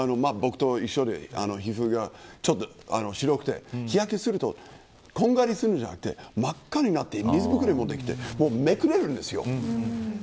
うちの子は、僕と一緒で皮膚が白くて、日焼けするとこんがりするんじゃなくて真っ赤になって水ぶくれもできてめくれるんです。